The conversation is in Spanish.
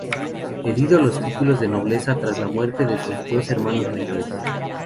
Heredó los títulos de nobleza tras la muerte de sus dos hermanos mayores.